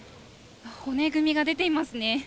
骨組みが出ていますね。